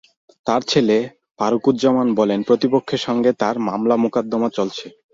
তাঁর ছেলে ফারুকুজ্জামান বলেন, প্রতিপক্ষের সঙ্গে তাঁদের মামলা মোকদ্দমা চলছে।